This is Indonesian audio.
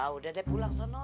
udah deh pulang sana